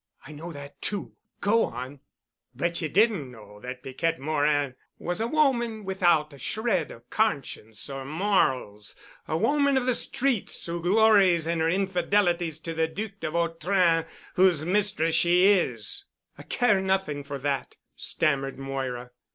"I know that too. Go on——" "But ye didn't know that Piquette Morin was a woman without a shred of conscience or morals, a woman of the streets, who glories in her infidelities to the Duc de Vautrin, whose mistress she is——" "I care nothing for that," stammered Moira.